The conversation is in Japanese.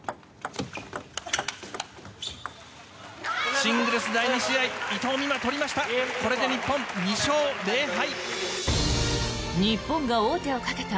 シングルス第２試合伊藤美誠、取りました。